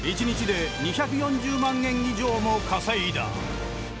１日で２４０万円以上も稼いだ。